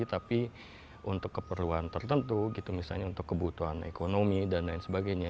tapi untuk keperluan tertentu gitu misalnya untuk kebutuhan ekonomi dan lain sebagainya